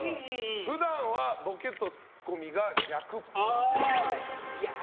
普段はボケとツッコミが逆っぽい。